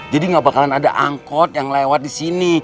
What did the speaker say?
jadi gak bakalan ada angkot yang lewat di sini